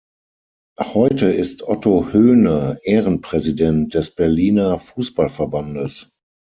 Heute ist Otto Höhne Ehrenpräsident des Berliner Fußballverbandes.